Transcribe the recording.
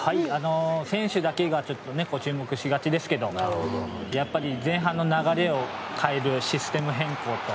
選手だけに注目しがちですけどやっぱり前半の流れを変えるシステム変更と